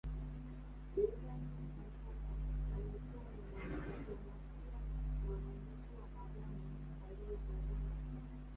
benjamin mkapa alikuwa ni mwanadiplomasia na mwandishi wa habari aliyebobea